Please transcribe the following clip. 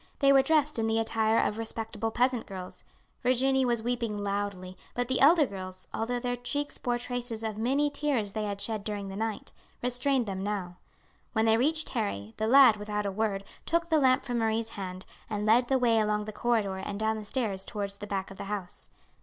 They were dressed in the attire of respectable peasant girls. Virginie was weeping loudly, but the elder girls, although their cheeks bore traces of many tears they had shed during the night, restrained them now. When they reached Harry, the lad, without a word, took the lamp from Marie's hand, and led the way along the corridor and down the stairs towards the back of the house.